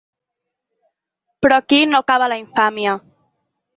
Però aquí no acaba la infàmia.